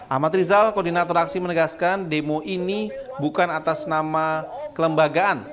ahmad rizal koordinator aksi menegaskan demo ini bukan atas nama kelembagaan